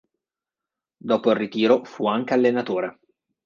Dopo il ritiro fu anche allenatore.